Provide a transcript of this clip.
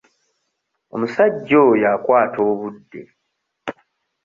Omusajja oya akwata obudde.